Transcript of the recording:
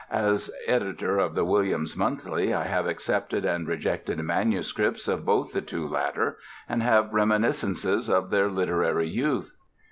As editor of the Williams Monthly I have accepted and rejected manuscripts of both the two latter, and have reminiscences of their literary youth.